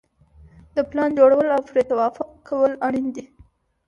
د پلان جوړول او پرې توافق کول اړین دي.